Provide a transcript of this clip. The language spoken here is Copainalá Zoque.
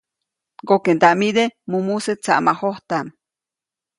Ŋgokeʼndaʼmide mumuse tsaʼmajojtaʼm.